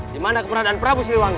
dimana keberadaan prabu sriwangi